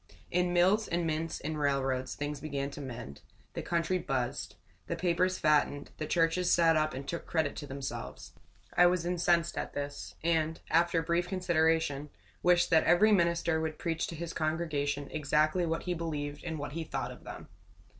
In mills and mints and railroads, things began to mend. The country buzzed. The papers fattened. The churches sat up and took credit to themselves. I was incensed at this; and, after brief consideration, wished that every minister would preach to his congregation exactly what he believed and what he thought of them.